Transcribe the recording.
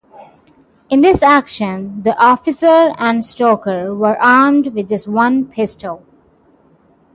In this action the officer and stoker were armed with just one pistol.